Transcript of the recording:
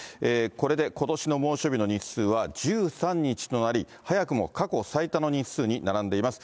これでことしの猛暑日の日数は１３日となり、早くも過去最多の日数に並んでいます。